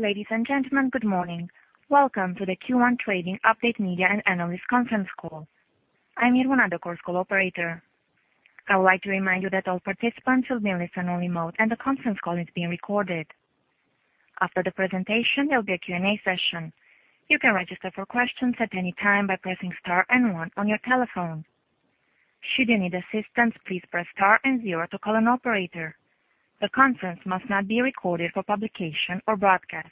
Ladies and gentlemen, good morning. Welcome to the Q1 Trading Update Media and Analyst Conference Call. I'm Yvonne, the call operator. I would like to remind you that all participants will be in listen-only mode, and the conference call is being recorded. After the presentation, there will be a Q&A session. You can register for questions at any time by pressing star and one on your telephone. Should you need assistance, please press star and zero to call an operator. The conference must not be recorded for publication or broadcast.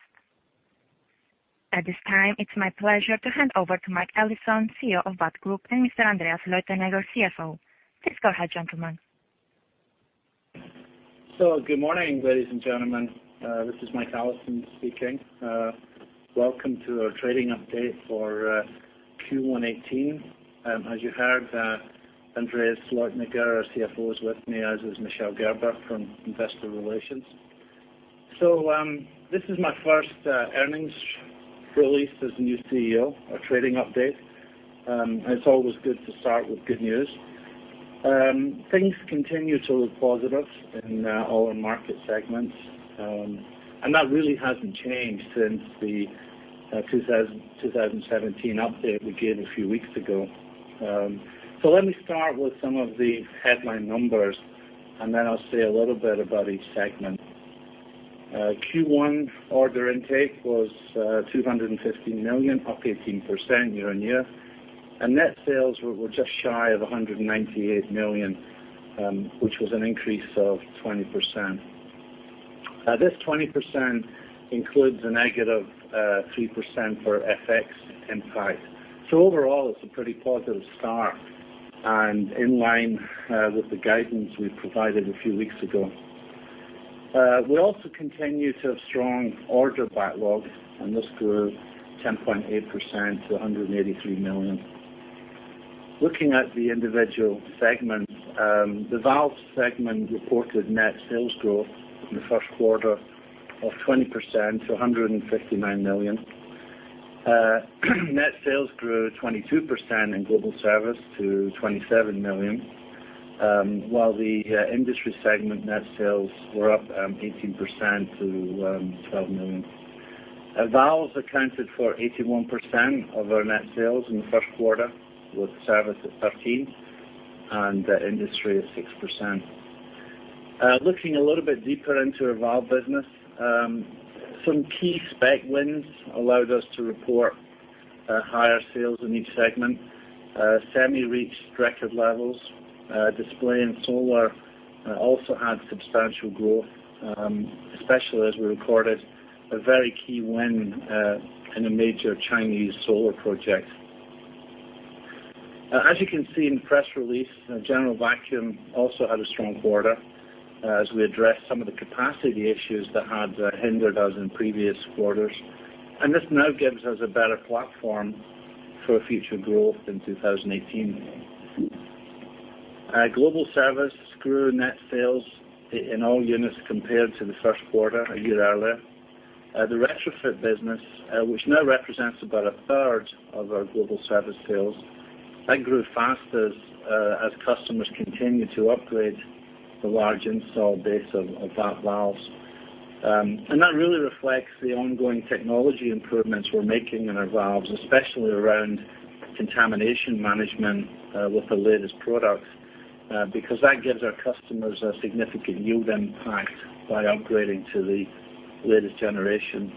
At this time, it's my pleasure to hand over to Mike Allison, CEO of VAT Group, and Mr. Andreas Leutenegger, CFO. Please go ahead, gentlemen. Good morning, ladies and gentlemen. This is Mike Allison speaking. Welcome to our trading update for Q1 2018. As you heard, Andreas Leutenegger, our CFO, is with me, as is Michel Gerber from Investor Relations. This is my first earnings release as the new CEO, our trading update. It's always good to start with good news. Things continue to look positive in all our market segments. That really hasn't changed since the 2017 update we gave a few weeks ago. Let me start with some of the headline numbers, and then I'll say a little bit about each segment. Q1 order intake was 250 million, up 18% year-on-year. Net sales were just shy of 198 million, which was an increase of 20%. This 20% includes a negative 3% for FX impact. Overall, it's a pretty positive start and in line with the guidance we provided a few weeks ago. We also continue to have strong order backlog, and this grew 10.8% to 183 million. Looking at the individual segments. The Valves segment reported net sales growth in the first quarter of 20% to 159 million. Net sales grew 22% in Global Service to 27 million. While the Industry segment net sales were up 18% to 12 million. Valves accounted for 81% of our net sales in the first quarter, with Service at 13% and Industry at 6%. Looking a little bit deeper into our Valves business. Some key spec wins allowed us to report higher sales in each segment. Semi reached record levels. Display and Solar also had substantial growth, especially as we recorded a very key win in a major Chinese Solar project. As you can see in the press release, General Vacuum also had a strong quarter as we addressed some of the capacity issues that had hindered us in previous quarters. This now gives us a better platform for future growth in 2018. Global Service grew net sales in all units compared to the first quarter a year earlier. The retrofit business, which now represents about a third of our Global Service sales, that grew fastest as customers continued to upgrade the large installed base of VAT valves. That really reflects the ongoing technology improvements we're making in our valves, especially around contamination management with the latest products because that gives our customers a significant yield impact by upgrading to the latest generation.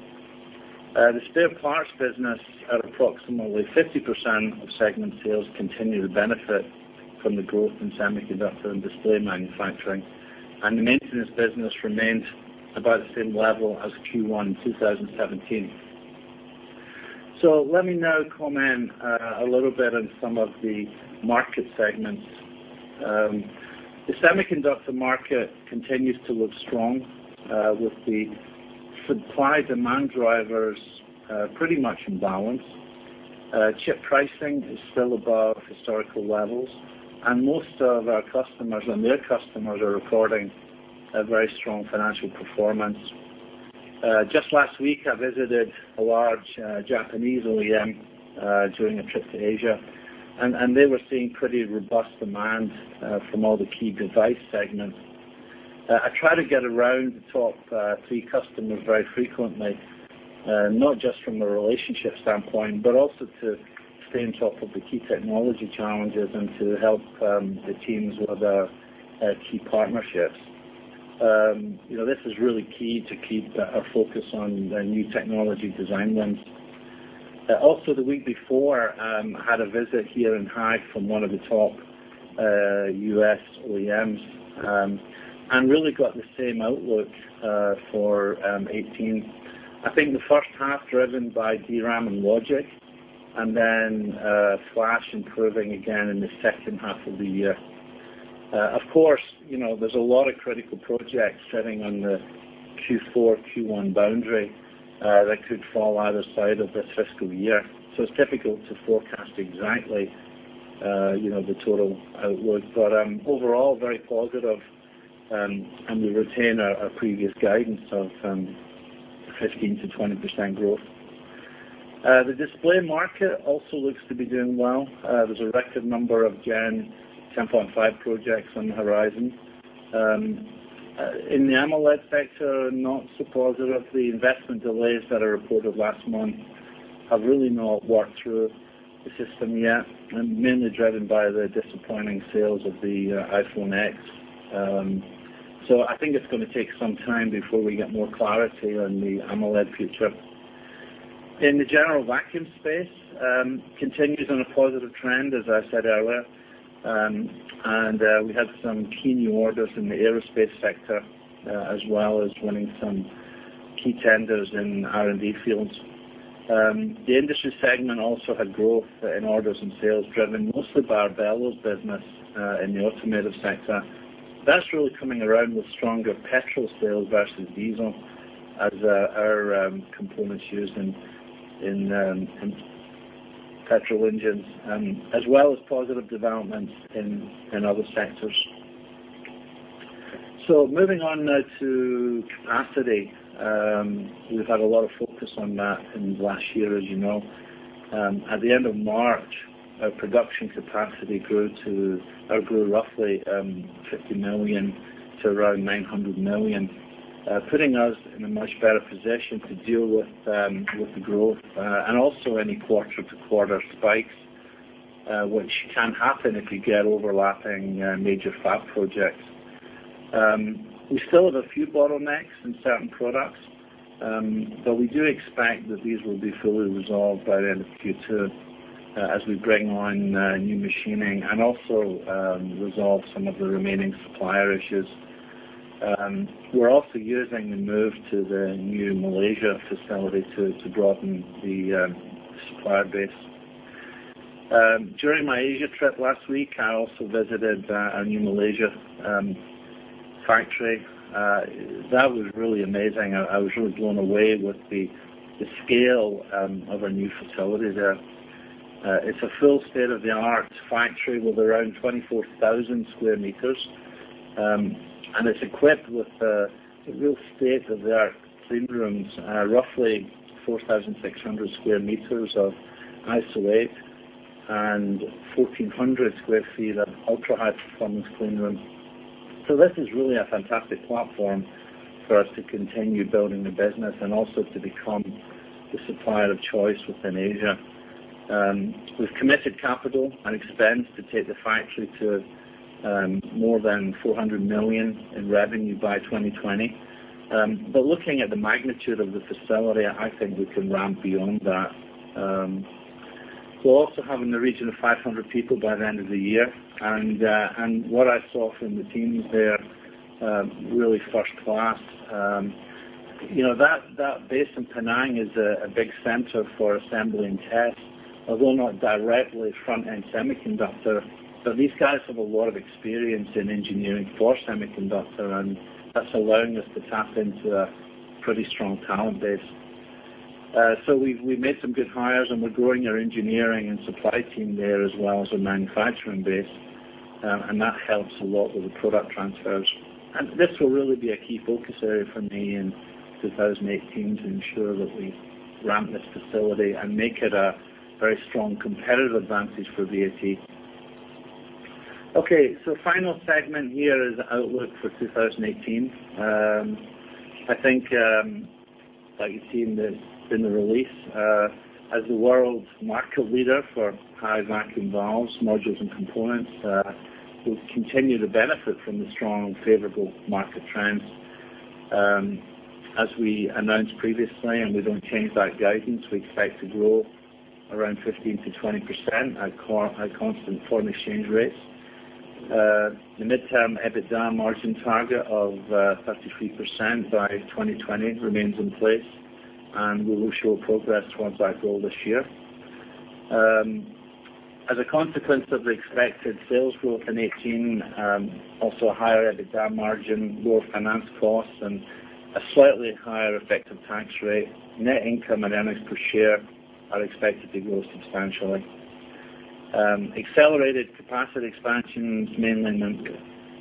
The spare parts business, at approximately 50% of segment sales, continues to benefit from the growth in semiconductor and display manufacturing. The maintenance business remains about the same level as Q1 2017. Let me now comment a little bit on some of the market segments. The semiconductor market continues to look strong with the supply-demand drivers pretty much in balance. Chip pricing is still above historical levels, and most of our customers and their customers are recording a very strong financial performance. Just last week, I visited a large Japanese OEM during a trip to Asia. They were seeing pretty robust demand from all the key device segments. I try to get around the top three customers very frequently, not just from a relationship standpoint, but also to stay on top of the key technology challenges and to help the teams with our key partnerships. This is really key to keep a focus on the new technology design wins. Also, the week before, I had a visit here in Haag from one of the top U.S. OEMs and really got the same outlook for 2018. I think the first half driven by DRAM and logic. Flash improving again in the second half of the year. Of course, there's a lot of critical projects sitting on the Q4, Q1 boundary that could fall either side of this fiscal year. It's difficult to forecast exactly the total outlook. Overall, very positive, and we retain our previous guidance of 15%-20% growth. The display market also looks to be doing well. There's a record number of Gen 10.5 projects on the horizon. In the AMOLED sector, not so positive. The investment delays that I reported last month have really not worked through the system yet and mainly driven by the disappointing sales of the iPhone X. I think it's going to take some time before we get more clarity on the AMOLED future. In the General Vacuum space, continues on a positive trend, as I said earlier. We had some key new orders in the aerospace sector, as well as winning some key tenders in R&D fields. The industry segment also had growth in orders and sales, driven mostly by our bellows business in the automotive sector. That's really coming around with stronger petrol sales versus diesel, as our components used in petrol engines, as well as positive developments in other sectors. Moving on now to capacity. We've had a lot of focus on that in the last year, as you know. At the end of March, our production capacity outgrew roughly 50 million to around 900 million, putting us in a much better position to deal with the growth. Also any quarter-to-quarter spikes, which can happen if you get overlapping major fab projects. We still have a few bottlenecks in certain products, but we do expect that these will be fully resolved by the end of Q2, as we bring on new machining and also resolve some of the remaining supplier issues. We're also using the move to the new Malaysia facility to broaden the supplier base. During my Asia trip last week, I also visited our new Malaysia factory. That was really amazing. I was really blown away with the scale of our new facility there. It's a full state-of-the-art factory with around 24,000 sq m. It is equipped with real state-of-the-art clean rooms, roughly 4,600 sq m of ISO Class 8 and 1,400 sq ft of ultra-high performance clean room. This is really a fantastic platform for us to continue building the business and also to become the supplier of choice within Asia. We've committed capital and expense to take the factory to more than 400 million in revenue by 2020. Looking at the magnitude of the facility, I think we can ramp beyond that. We're also having in the region of 500 people by the end of the year. What I saw from the teams there, really first class. That base in Penang is a big center for assembly and test, although not directly front-end semiconductor. These guys have a lot of experience in engineering for semiconductor, and that's allowing us to tap into a pretty strong talent base. We've made some good hires and we're growing our engineering and supply team there as well as our manufacturing base. That helps a lot with the product transfers. This will really be a key focus area for me in 2018 to ensure that we ramp this facility and make it a very strong competitive advantage for VAT. Final segment here is outlook for 2018. I think, like you see in the release, as the world market leader for high-end vacuum valves, modules, and components, we'll continue to benefit from the strong favorable market trends. As we announced previously, and we don't change that guidance, we expect to grow around 15%-20% at constant foreign exchange rates. The midterm EBITDA margin target of 33% by 2020 remains in place, and we will show progress towards that goal this year. As a consequence of the expected sales growth in 2018, also a higher EBITDA margin, lower finance costs, and a slightly higher effective tax rate, net income and earnings per share are expected to grow substantially. Accelerated capacity expansions, mainly in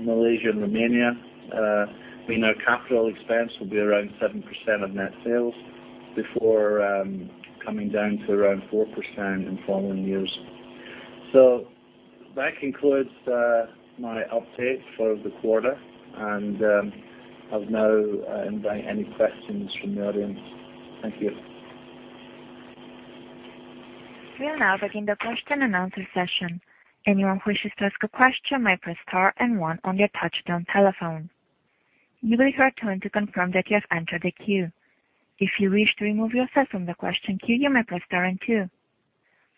Malaysia and Romania. We know capital expense will be around 7% of net sales before coming down to around 4% in following years. That concludes my update for the quarter, and I'll now invite any questions from the audience. Thank you. We are now beginning the question and answer session. Anyone who wishes to ask a question may press star and one on your touchtone telephone. You will hear a tone to confirm that you have entered the queue. If you wish to remove yourself from the question queue, you may press star and two.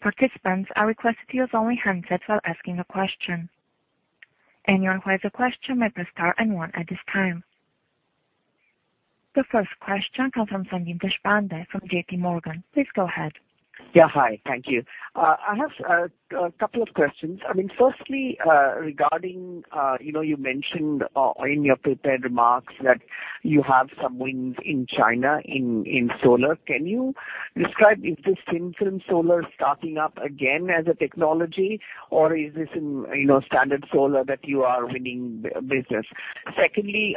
Participants are requested to use only handsets while asking a question. Anyone who has a question may press star and one at this time. The first question comes from Sandeep Deshpande from JPMorgan. Please go ahead. Hi. Thank you. I have a couple of questions. Firstly, regarding, you mentioned in your prepared remarks that you have some wins in China in solar. Can you describe, is this thin film solar starting up again as a technology, or is this in standard solar that you are winning business? Secondly,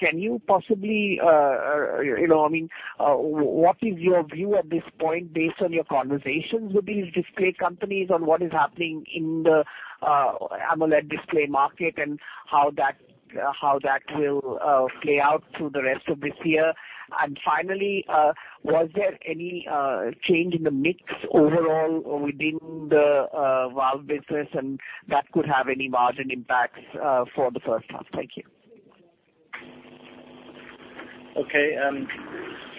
what is your view at this point, based on your conversations with these display companies on what is happening in the AMOLED display market and how that will play out through the rest of this year? Finally, was there any change in the mix overall within the valve business and that could have any margin impacts for the first half? Thank you. Okay.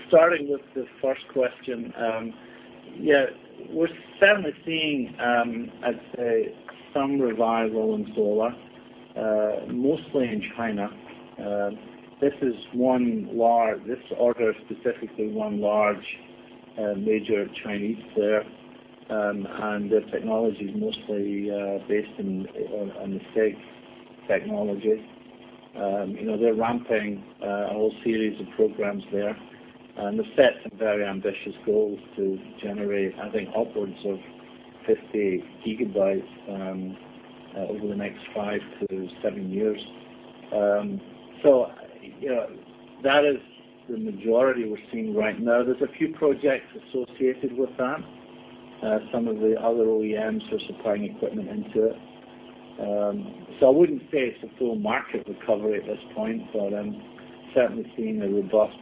Starting with the first question. We're certainly seeing, I'd say, some revival in solar, mostly in China. This order is specifically one large major Chinese player. Their technology is mostly based on the a-Si technology. They're ramping a whole series of programs there. They've set some very ambitious goals to generate, I think, upwards of 50 gigawatts over the next five to seven years. That is the majority we're seeing right now. There's a few projects associated with that. Some of the other OEMs are supplying equipment into it. I wouldn't say it's a full market recovery at this point, but I'm certainly seeing a robust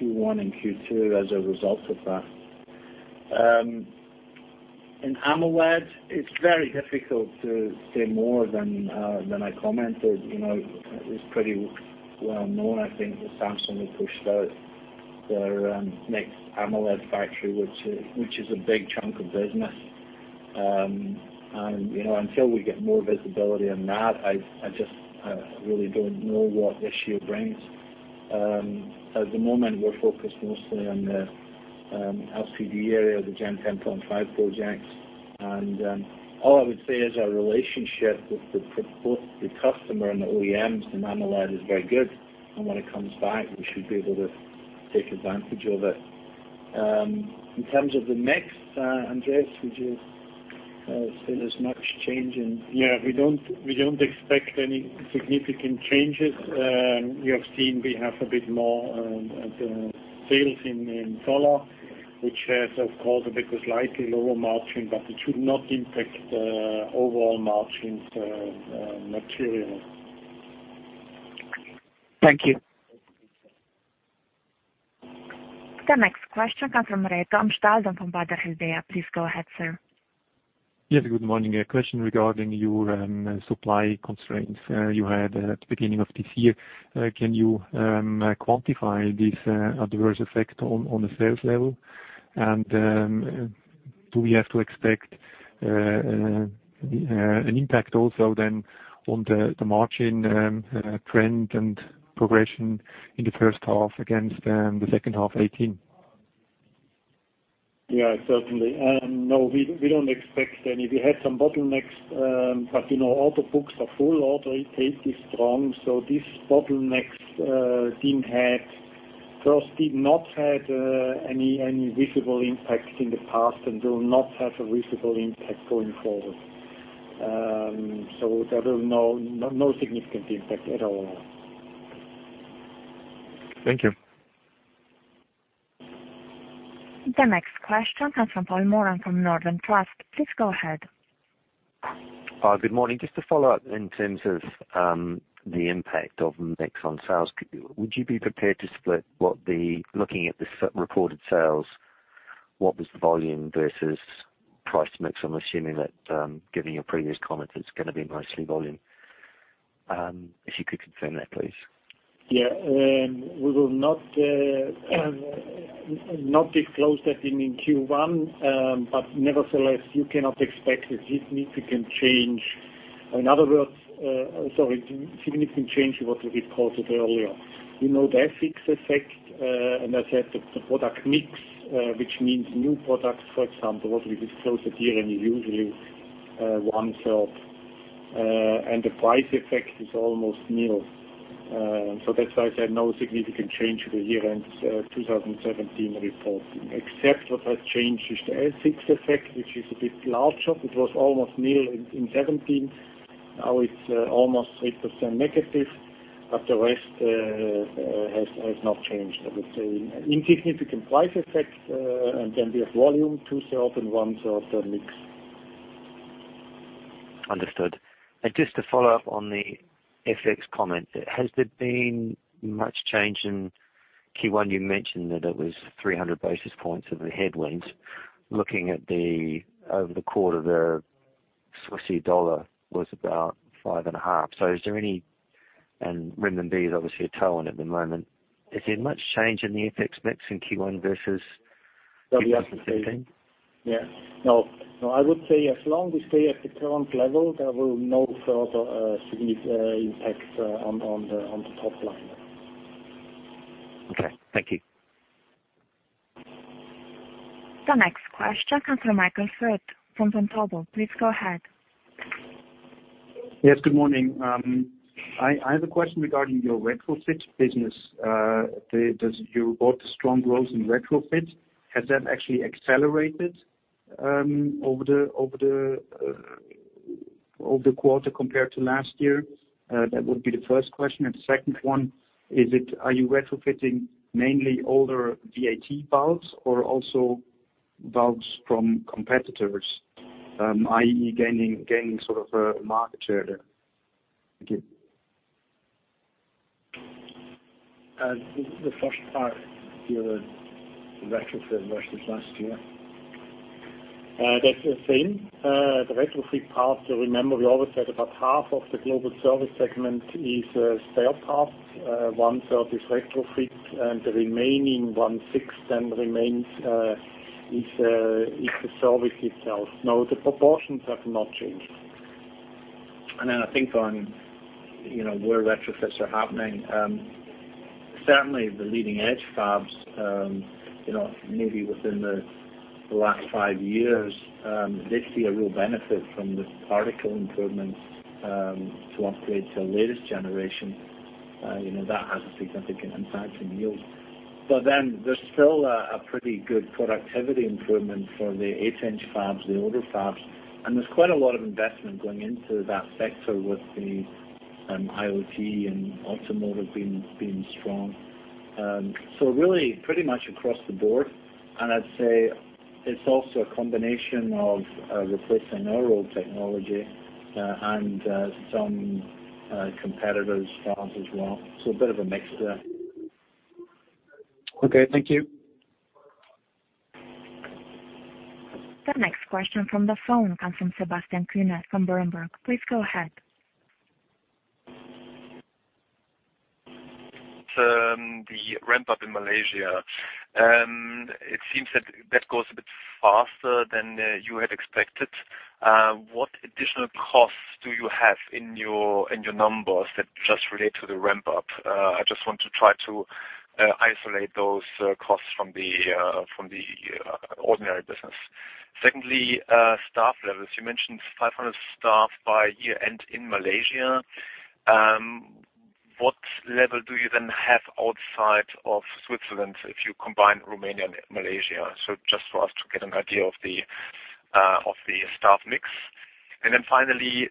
Q1 and Q2 as a result of that. In AMOLED, it's very difficult to say more than I commented. It's pretty well known, I think, that Samsung has pushed out their next AMOLED factory, which is a big chunk of business. Until we get more visibility on that, I just really don't know what this year brings. At the moment, we're focused mostly on the LPD area, the Gen 10.5 projects. All I would say is our relationship with both the customer and the OEMs in AMOLED is very good, and when it comes back, we should be able to take advantage of it. In terms of the mix, Andreas, would you say there's much change in- We don't expect any significant changes. We have seen a bit more of the sales in solar, which has, of course, a bit of slightly lower margin, but it should not impact the overall margins material. Thank you. The next question comes from Marco Amstad from Vontobel. Please go ahead, sir. Yes, good morning. A question regarding your supply constraints you had at the beginning of this year. Can you quantify this adverse effect on the sales level? Do we have to expect an impact also then on the margin trend and progression in the first half against the second half 2018? Yeah, certainly. No, we don't expect any. We had some bottlenecks. All the books are full. Order intake is strong. These bottlenecks first did not have any visible impact in the past and will not have a visible impact going forward. There is no significant impact at all. Thank you. The next question comes from Paul Moran from Northern Trust. Please go ahead. Hi, good morning. Just to follow up in terms of the impact of mix on sales. Would you be prepared to split what, looking at the reported sales, what was the volume versus price mix? I'm assuming that given your previous comments, it's going to be mostly volume. If you could confirm that, please. Yeah. Nevertheless, you cannot expect a significant change. Sorry, significant change to what we reported earlier. You know the FX effect and I said the product mix, which means new products, for example, what we disclose at year-end is usually one third. The price effect is almost nil. That's why I said no significant change to the year-end 2017 report. Except what has changed is the FX effect, which is a bit larger. It was almost nil in 2017. Now it's almost -3%, the rest has not changed. I would say an insignificant price effect, then we have volume, two-third and one-third mix. Understood. Just to follow up on the FX comment, has there been much change in Q1? You mentioned that it was 300 basis points of a headwind. Looking over the quarter there, Swissie/dollar was about 5.5. Renminbi is obviously a tailwind at the moment. Is there much change in the FX mix in Q1 versus Q4 2017? No, I would say as long we stay at the current level, there will no further significant impact on the top line. Okay. Thank you. The next question comes from Michael Foeth from Vontobel. Please go ahead. Yes, good morning. I have a question regarding your retrofit business. You report strong growth in retrofit, has that actually accelerated over the quarter compared to last year? That would be the first question. The second one, are you retrofitting mainly older VAT valves or also valves from competitors, i.e., gaining sort of a market share there? Thank you. The first part, your retrofit versus last year. That's the same. The retrofit part, remember we always said about half of the global service segment is spare parts. One-third is retrofit, the remaining one-sixth remains is the service itself. No, the proportions have not changed. I think on where retrofits are happening. Certainly, the leading-edge fabs, maybe within the last five years, they see a real benefit from the particle improvements to upgrade to the latest generation. That has a significant impact on yields. There's still a pretty good productivity improvement for the eight-inch fabs, the older fabs, and there's quite a lot of investment going into that sector with the IoT and automotive being strong. Really pretty much across the board, and I'd say it's also a combination of replacing our old technology, and some competitors' fabs as well. A bit of a mix there. Okay, thank you. The next question from the phone comes from Sebastian Kunath from Berenberg. Please go ahead. The ramp-up in Malaysia. It seems that goes a bit faster than you had expected. What additional costs do you have in your numbers that just relate to the ramp-up? I just want to try to isolate those costs from the ordinary business. Secondly, staff levels. You mentioned 500 staff by year-end in Malaysia. What level do you then have outside of Switzerland if you combine Romania and Malaysia? Just for us to get an idea of the staff mix. Finally,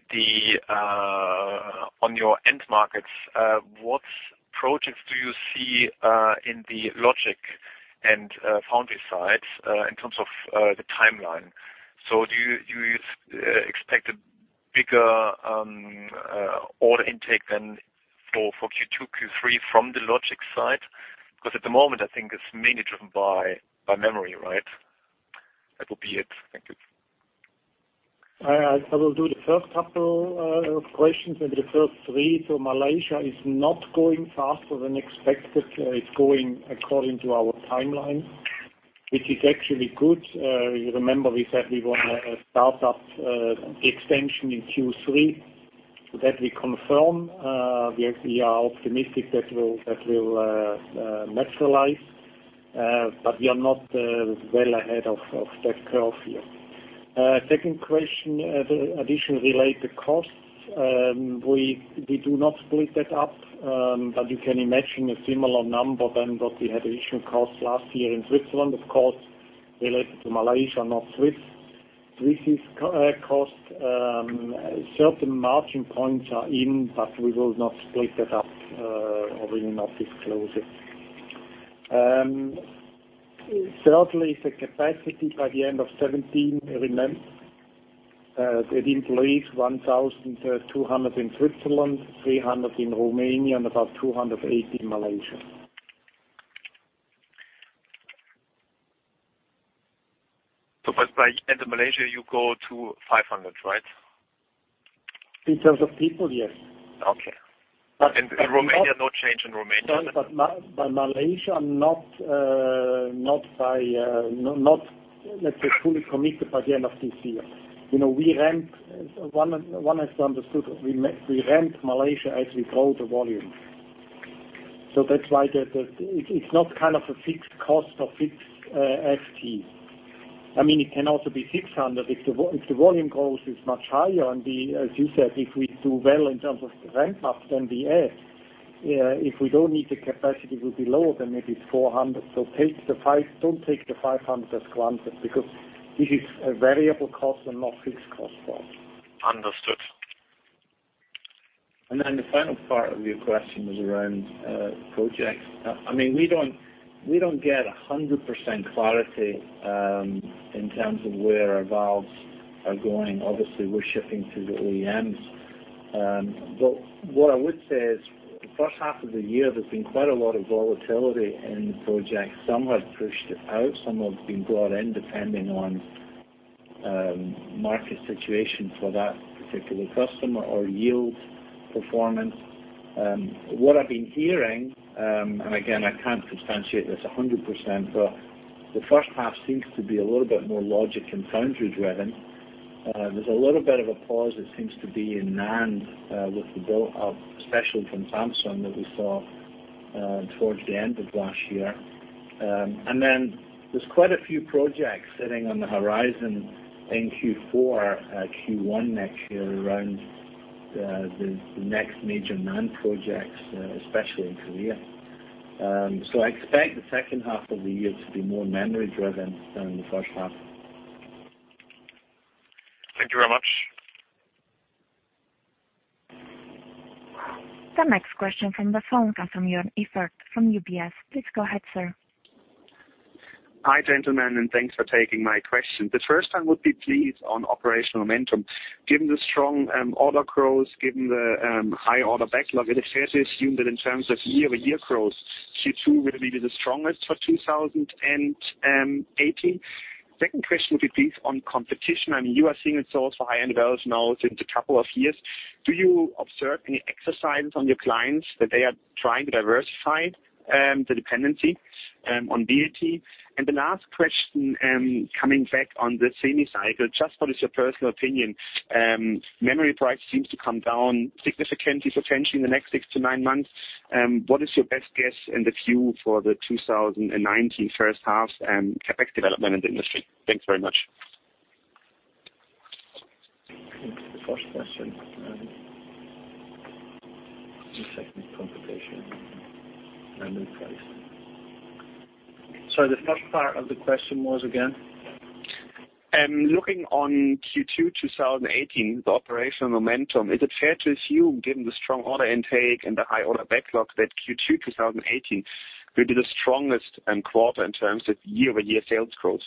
on your end markets, what projects do you see in the logic and foundry sides, in terms of the timeline? Do you expect a bigger order intake than for Q2, Q3 from the logic side? At the moment, I think it's mainly driven by memory, right? That would be it. Thank you. I will do the first couple of questions, maybe the first three. Malaysia is not going faster than expected. It's going according to our timeline, which is actually good. You remember we said we want a start-up extension in Q3, that we confirm. We are optimistic that will materialize, but we are not well ahead of that curve yet. Second question, the additional related costs. We do not split that up, but you can imagine a similar number than what we had additional costs last year in Switzerland, of course, related to Malaysia, not Swiss costs. Certain margin points are in, but we will not split that up, or we will not disclose it. Thirdly, the capacity by the end of 2017, remember, it employs 1,200 in Switzerland, 300 in Romania, and about 280 in Malaysia. By end of Malaysia, you go to 500, right? In terms of people, yes. Okay. Romania, no change in Romania? Malaysia not fully committed by the end of this year. One has to understood, we ramp Malaysia as we grow the volume. That's why it's not kind of a fixed cost or fixed FT. It can also be 600 if the volume growth is much higher and, as you said, if we do well in terms of the ramp-up, then we add. If we don't need the capacity, it will be lower, then maybe it's 400. Don't take the 500 as granted, because this is a variable cost and not fixed cost for us. Understood. The final part of your question was around projects. We don't get 100% clarity in terms of where our valves are going. Obviously, we're shipping to the OEMs. What I would say is, the first half of the year, there's been quite a lot of volatility in projects. Some have pushed it out, some have been brought in, depending on market situation for that particular customer or yield performance. What I've been hearing, and again, I can't substantiate this 100%, the first half seems to be a little bit more logic and foundry-driven. There's a little bit of a pause it seems to be in NAND, with the build-up, especially from Samsung, that we saw towards the end of last year. There's quite a few projects sitting on the horizon in Q4, Q1 next year around the next major NAND projects, especially in Korea. I expect the second half of the year to be more memory-driven than the first half. Thank you very much. The next question from the phone comes from Jörn Iffert from UBS. Please go ahead, sir. Hi, gentlemen, and thanks for taking my question. The first one would be please on operational momentum. Given the strong order growth, given the high order backlog, is it fair to assume that in terms of year-over-year growth, Q2 will be the strongest for 2018? Second question would be on competition. You are seeing it source for high-end valves now since a couple of years. Do you observe any exercises on your clients that they are trying to diversify the dependency on VAT? The last question, coming back on the semi cycle, just what is your personal opinion? Memory price seems to come down significantly, potentially in the next six to nine months. What is your best guess and the view for the 2019 first half and CapEx development in the industry? Thanks very much. The first question. The second competition and then price. Sorry, the first part of the question was again? Looking on Q2 2018, the operational momentum, is it fair to assume, given the strong order intake and the high order backlog, that Q2 2018 will be the strongest quarter in terms of year-over-year sales growth?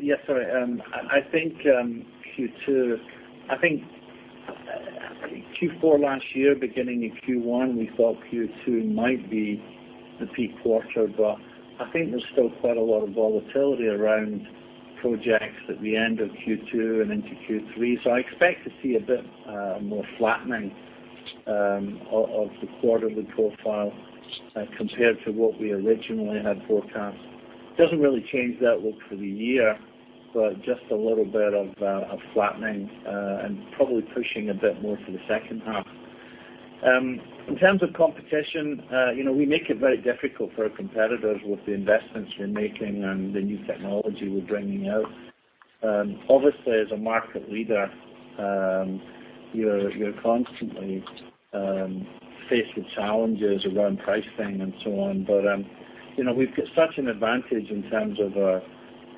Yes, sorry. I think Q4 last year, beginning of Q1, we thought Q2 might be the peak quarter, but I think there's still quite a lot of volatility around projects at the end of Q2 and into Q3. I expect to see a bit more flattening of the quarterly profile compared to what we originally had forecast. Doesn't really change the outlook for the year, just a little bit of flattening and probably pushing a bit more to the second half. In terms of competition, we make it very difficult for our competitors with the investments we're making and the new technology we're bringing out. Obviously, as a market leader, you're constantly faced with challenges around pricing and so on. We've got such an advantage in terms of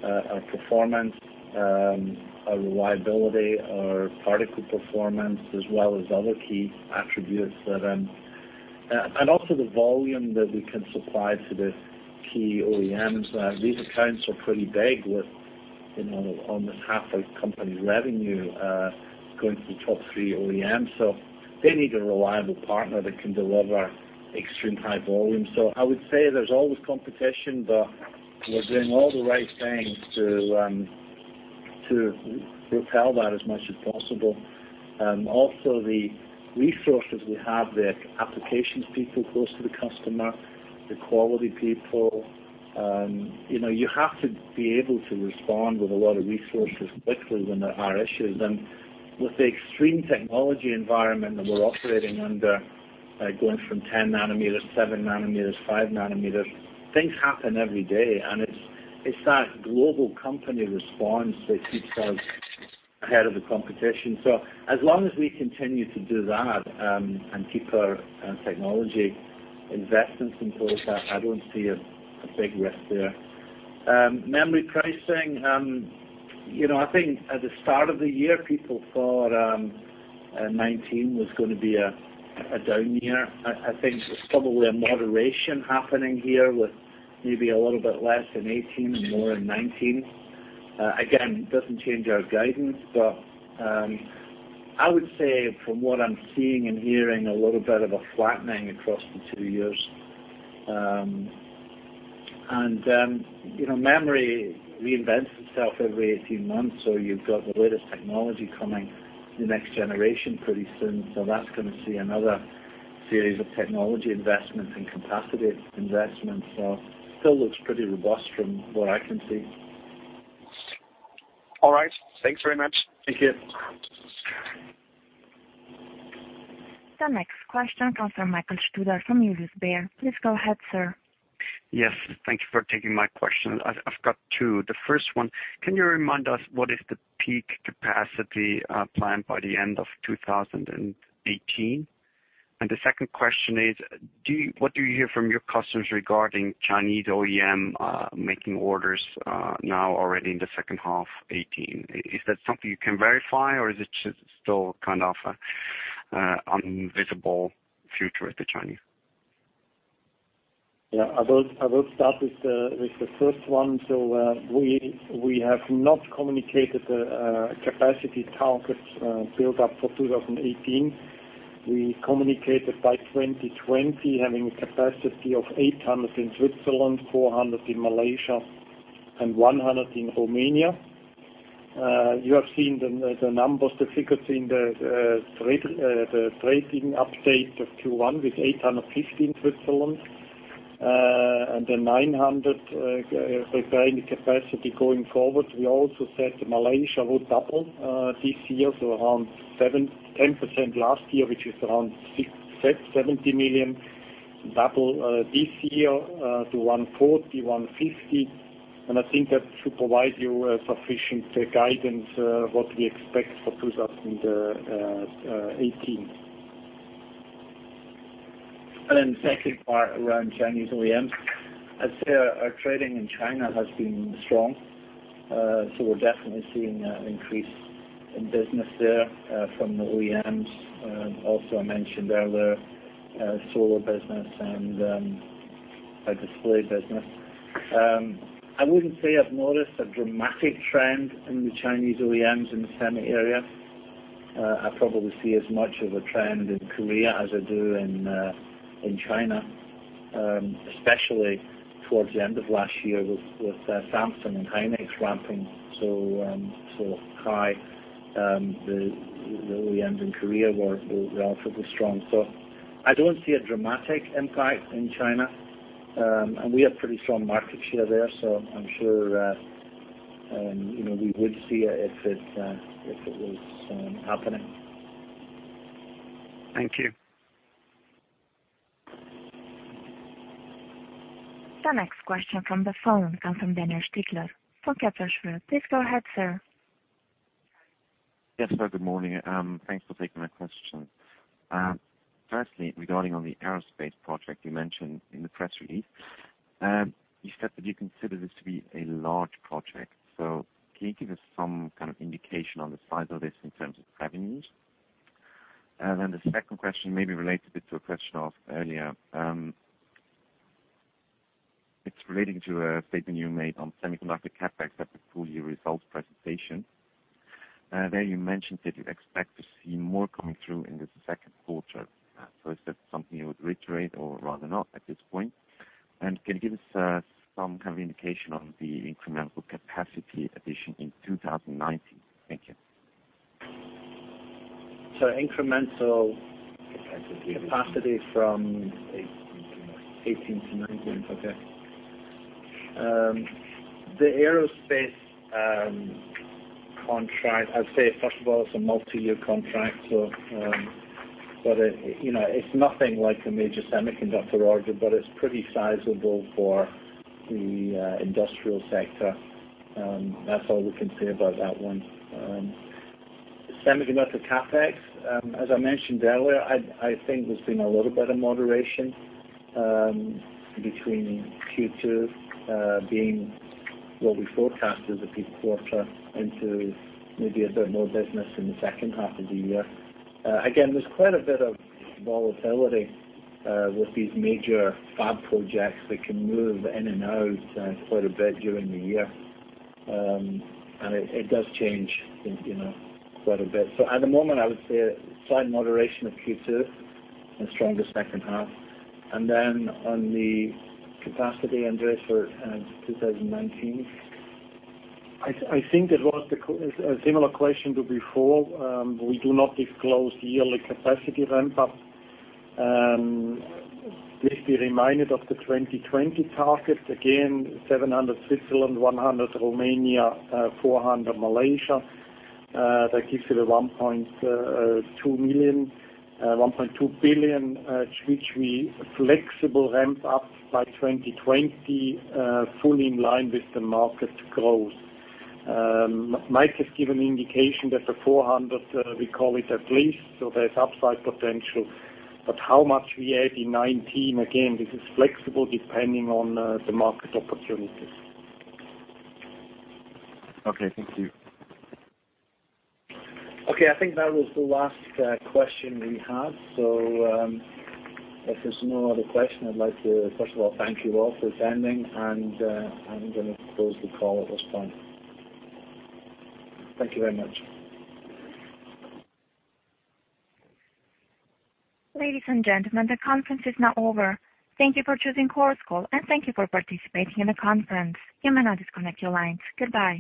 our performance, our reliability, our particle performance, as well as other key attributes. Also the volume that we can supply to the key OEMs. These accounts are pretty big, with almost half the company's revenue going to the top three OEMs. They need a reliable partner that can deliver extreme high volume. I would say there's always competition, but we're doing all the right things to repel that as much as possible. Also, the resources we have, the applications people close to the customer, the quality people. You have to be able to respond with a lot of resources quickly when there are issues. With the extreme technology environment that we're operating under, going from 10 nanometers, seven nanometers, five nanometers, things happen every day. It's that global company response that keeps us ahead of the competition. As long as we continue to do that and keep our technology investments in place, I don't see a big risk there. Memory pricing. I think at the start of the year, people thought 2019 was going to be a down year. I think there's probably a moderation happening here with maybe a little bit less in 2018 and more in 2019. Again, doesn't change our guidance, but I would say from what I'm seeing and hearing, a little bit of a flattening across the two years. Memory reinvents itself every 18 months, so you've got the latest technology coming, the next generation pretty soon. That's going to see another series of technology investments and capacity investments. Still looks pretty robust from what I can see. All right. Thanks very much. Thank you. The next question comes from. [inaudible] Please go ahead, sir. Yes. Thank you for taking my question. I've got two. The first one, can you remind us what is the peak capacity planned by the end of 2018? The second question is, what do you hear from your customers regarding Chinese OEM making orders now already in the second half 2018? Is that something you can verify or is it just still kind of invisible future with the Chinese? I will start with the first one. We have not communicated a capacity target build up for 2018. We communicated by 2020 having a capacity of 800 million in Switzerland, 400 million in Malaysia, and 100 million in Romania. You have seen the numbers, the figures in the trading update of Q1 with 815 million in Switzerland. The 900 million preparing the capacity going forward. We also said Malaysia would double this year to around 7%, 10% last year, which is around 70 million double this year to 140 million, 150 million. I think that should provide you sufficient guidance what we expect for 2018. The second part around Chinese OEMs. I'd say our trading in China has been strong. We're definitely seeing an increase in business there from the OEMs. I mentioned earlier, solar business and our display business. I wouldn't say I've noticed a dramatic trend in the Chinese OEMs in the semi area. I probably see as much of a trend in Korea as I do in China, especially towards the end of last year with Samsung and Hynix ramping so high. The OEMs in Korea were relatively strong. I don't see a dramatic impact in China. We have pretty strong market share there, so I'm sure we would see it if it was happening. Thank you. The next question from the phone comes from Daniel Stickler for Kepler Cheuvreux. Please go ahead, sir. Yes, sir. Good morning. Thanks for taking my question. Firstly, regarding on the aerospace project you mentioned in the press release. You said that you consider this to be a large project. Can you give us some kind of indication on the size of this in terms of revenues? The second question maybe relates a bit to a question asked earlier. It's relating to a statement you made on semiconductor CapEx at the full year results presentation. There you mentioned that you expect to see more coming through in the second quarter. Is that something you would reiterate or rather not at this point? Can you give us some kind of indication on the incremental capacity addition in 2019? Thank you. So incremental- Capacity capacity 2018 to 2019 2018 to 2019. Okay. The aerospace contract, I'd say first of all, it's a multi-year contract. It's nothing like a major semiconductor order, but it's pretty sizable for the industrial sector. That's all we can say about that one. Semiconductor CapEx. As I mentioned earlier, I think there's been a little bit of moderation between Q2 being what we forecast as a peak quarter into maybe a bit more business in the second half of the year. There's quite a bit of volatility with these major fab projects that can move in and out quite a bit during the year. It does change quite a bit. At the moment, I would say a slight moderation of Q2 and stronger second half. On the capacity Andreas for 2019. I think that was a similar question to before. We do not disclose the yearly capacity ramp up. Just be reminded of the 2020 target. Again, 700 Switzerland, 100 Romania, 400 Malaysia. That gives you the 1.2 billion, which we flexible ramp up by 2020, fully in line with the market growth. Mike has given an indication that the 400, we call it at least, so there's upside potential. How much we add in 2019, again, this is flexible depending on the market opportunities. Okay. Thank you. Okay. I think that was the last question we have. If there's no other question, I'd like to first of all thank you all for attending, and I'm going to close the call at this point. Thank you very much. Ladies and gentlemen, the conference is now over. Thank you for choosing Chorus Call, and thank you for participating in the conference. You may now disconnect your lines. Goodbye